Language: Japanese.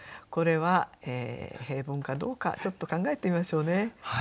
これは平凡かどうかちょっと考えてみましょうね。